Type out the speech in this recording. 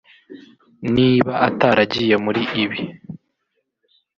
niba ataragiye muri ibi